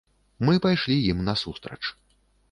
Мы пайшлі ім насустрач.